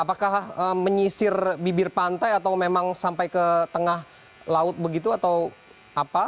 apakah menyisir bibir pantai atau memang sampai ke tengah laut begitu atau apa